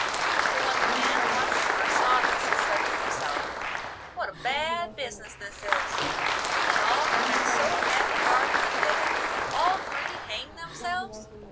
But when the man once more saw this he said to himself, 'What a bad business this is! Can they all have been so heavy hearted that they have all three hanged themselves?